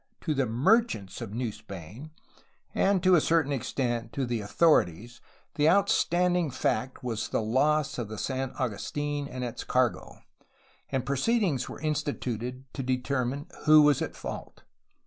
To the merchants of New Spain and, to a certain extent, to the authorities the out standing fact was the loss of the San Agustin and its cargo, and proceedings were instituted to determine who was at fault.